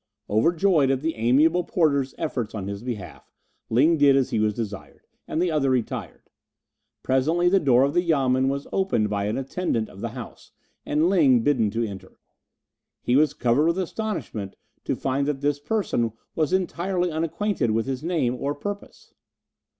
Overjoyed at the amiable porter's efforts on his behalf, Ling did as he was desired, and the other retired. Presently the door of the Yamen was opened by an attendant of the house, and Ling bidden to enter. He was covered with astonishment to find that this person was entirely unacquainted with his name or purpose.